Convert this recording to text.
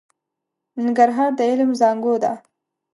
ننګرهار د علم زانګو ده.